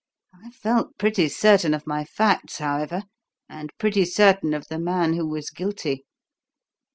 I felt pretty certain of my facts, however, and pretty certain of the man who was guilty.